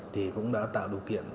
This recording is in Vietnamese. thì cũng đã tạo điều kiện